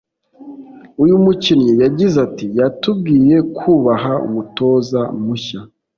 uyu mukinnyi yagize ati “Yatubwiye kubaha umutoza mushya